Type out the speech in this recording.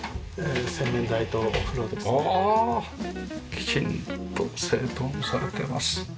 きちんと整頓されてます。